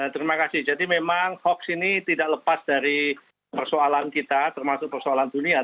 terima kasih jadi memang hoax ini tidak lepas dari persoalan kita termasuk persoalan dunia